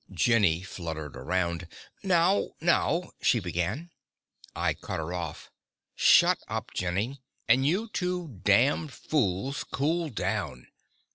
Jenny fluttered around. "Now, now " she began. I cut her off. "Shut up, Jenny. And you two damned fools cool down.